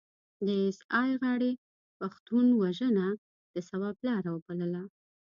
د ای اس ای غاړې پښتون وژنه د ثواب لاره وبلله.